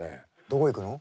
どこ行くの？